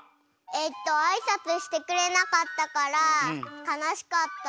えっとあいさつしてくれなかったからかなしかった。